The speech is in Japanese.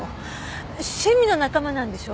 趣味の仲間なんでしょ？